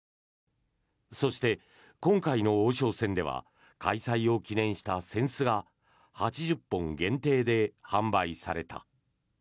そして、今回の王将戦では開催を記念した扇子が８０本限定で販売された。